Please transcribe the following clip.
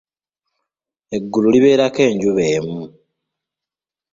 Eggulu libeerako enjuba emu.